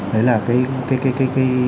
đấy là cái